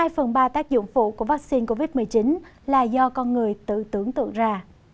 hai phần ba tác dụng phụ của vaccine covid một mươi chín là do con người tự tưởng tượng ra